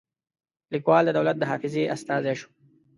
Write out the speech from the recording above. لیکوال د دولت د حافظې استازي شول.